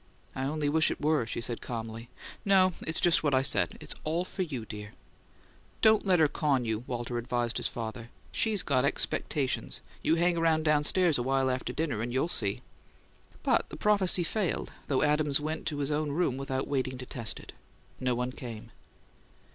"I only wish it were," she said, calmly. "No. It's just what I said: it's all for you, dear." "Don't let her con you," Walter advised his father. "She's got expectations. You hang around downstairs a while after dinner and you'll see." But the prophecy failed, though Adams went to his own room without waiting to test it. No one came.